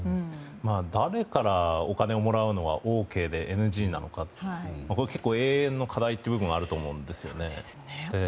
誰からお金をもらうのはＯＫでＮＧなのかこれは永遠の課題という部分もあると思うんですよね。